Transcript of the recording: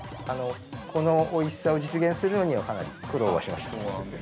◆このおいしさを実現するのには、かなり苦労はしました。